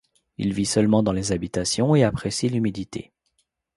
Il vit seulement dans les habitations et apprécie l'humidité.